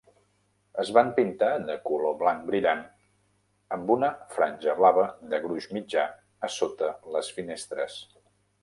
Es van pintar de color blanc brillant amb una franja blava de gruix mitjà a sota les finestres.